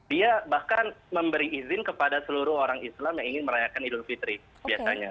dia bahkan memberi izin kepada seluruh orang islam yang ingin merayakan idul fitri biasanya